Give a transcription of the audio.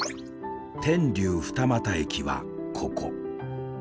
天竜二俣駅はここ。